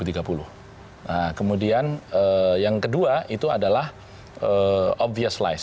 nah kemudian yang kedua itu adalah obvious lies